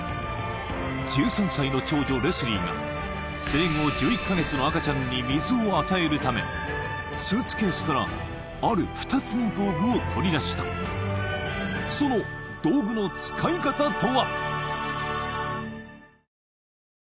１３歳の長女レスリーが生後１１か月の赤ちゃんに水を与えるためスーツケースからある２つの道具を取り出したその道具の使い方とは？